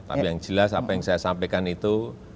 tapi yang jelas apa yang saya sampaikan itu